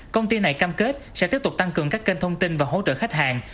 công ty này cam kết sẽ tiếp tục tăng cường các kênh thông tin và hỗ trợ khách hàng